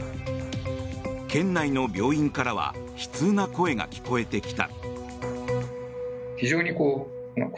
県内の病院からは悲痛な声が聞こえてきた。